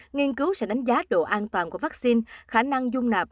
nghiên cứu sẽ đánh giá độ an toàn của vaccine khả năng dung nạp